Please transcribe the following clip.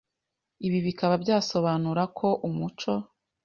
Ibi bikaba byasobanura ko umuco